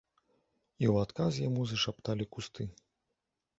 І ў адказ яму зашапталі кусты.